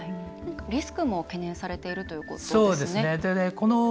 リスクも懸念されているということですね。